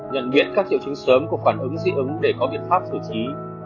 nhận biết các triệu chứng sớm của phản ứng dị ứng để có biện pháp giữ trí